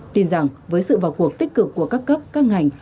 tin rằng với sự vào cuộc tích cực của các cấp các ngành